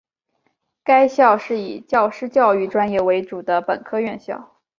该校是以教师教育专业为主的本科院校。